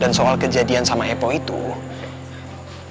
dan soal kejadian sama epy gue yakin banget yaa